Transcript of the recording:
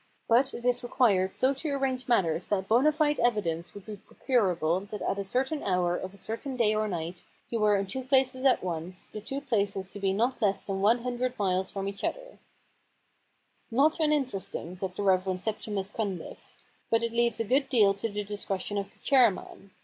But it is required so to arrange matters that bona fide evidence would be pro curable that at a certain hour of a certain day or night you were in two places at once, the two places to be not less than one hundred miles from each other/ * Not uninteresting/ said the Rev. Septimus Cunliffe, * but it leaves a good deal to the discretion of the chairman.